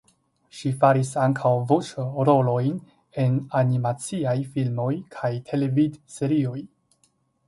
Ŝi faris ankaŭ voĉrolojn en animaciaj filmoj kaj televidserioj.